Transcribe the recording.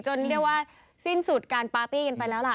เรียกว่าสิ้นสุดการปาร์ตี้กันไปแล้วล่ะ